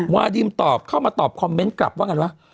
วาดิมตอบเข้ามาตอบคอมเมนต์กลับว่าไงวะ